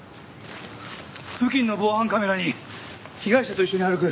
付近の防犯カメラに被害者と一緒に歩く